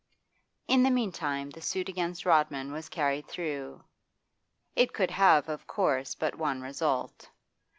In the meantime the suit against Rodman was carried through, it could have of course but one result.